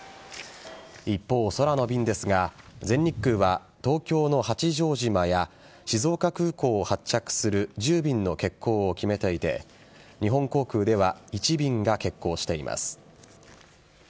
一方、空の便ですが全日空は東京の八丈島や静岡空港を発着する１０便の欠航を決めていて日本航空では１便が欠航しています。